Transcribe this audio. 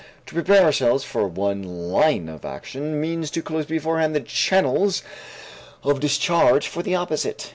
To prepare ourselves for one line of action means to close beforehand the channels of discharge for the opposite.